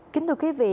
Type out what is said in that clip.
kính thưa quý vị